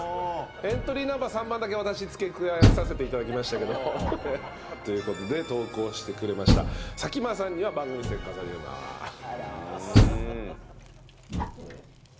「エントリーナンバー３番」だけ私付け加えさせて頂きましたけど。という事で投稿してくれました崎間さんには番組ステッカー差し上げます。